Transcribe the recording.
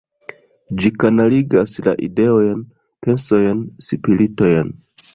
Ĝi kanaligas la ideojn, pensojn, spiritojn.